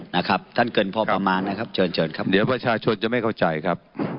นะครับท่านเกินพอประมาณนะครับเชิญเชิญครับเดี๋ยวประชาชนจะไม่เข้าใจครับ